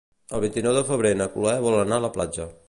El vint-i-nou de febrer na Cloè vol anar a la platja.